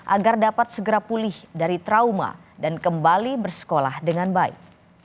agar dapat segera pulih dari trauma dan kembali bersekolah dengan baik